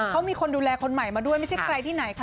เขามีคนดูแลคนใหม่มาด้วยไม่ใช่ใครที่ไหนค่ะ